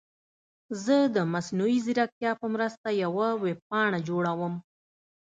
زه د مصنوعي ځیرکتیا په مرسته یوه ویب پاڼه جوړوم.